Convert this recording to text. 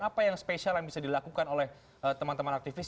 apa yang spesial yang bisa dilakukan oleh teman teman aktivis